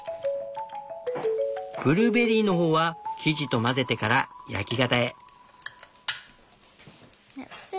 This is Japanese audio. ブルーベリーの方は生地と混ぜてから焼き型へ。